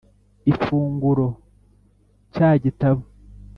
ifunguro cya gitabo